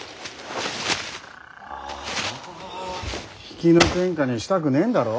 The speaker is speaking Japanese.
比企の天下にしたくねえんだろ。